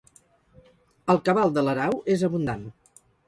El cabal de l'Erau és abundant.